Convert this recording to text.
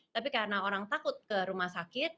tapi karena orang takut ke rumah sakit